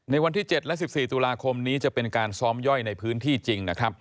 วันที่๗และ๑๔ตุลาคมนี้จะเป็นการซ้อมย่อยในพื้นที่จริงนะครับ